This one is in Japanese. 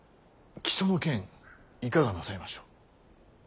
木曽の件いかがなさいましょう。